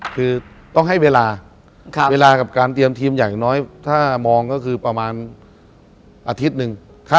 คือต้องให้เวลาเวลากับการเตรียมทีมอย่างน้อยถ้ามองก็คือประมาณอาทิตย์หนึ่ง